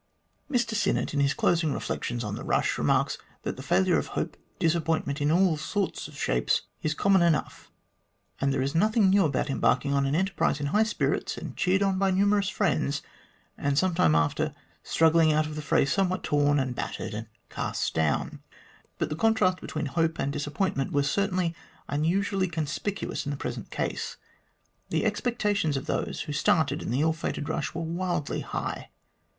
Mr Sinnett, in his closing reflections on the rush, remarks that the failure of hope, disappointment in all sorts of shapes, is common enough, and there is nothing new about embarking on an enterprise in high spirits, and cheered on by numerous friends, and some time after struggling out of the fray somewhat torn and battered and cast down. But the contrast between hope and disappointment was certainly unusually conspicuous in the present case. The expectations of those who started in the ill fated rush were wildly high.